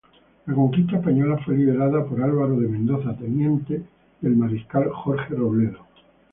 La conquista española fue liderada por Álvaro de Mendoza, teniente del Mariscal Jorge Robledo.